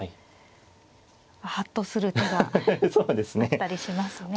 ハッとする手があったりしますね。